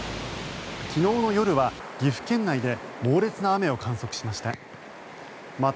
昨日の夜は岐阜県内で猛烈な雨を観測しました。